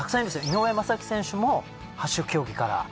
井上昌己選手も八種競技から。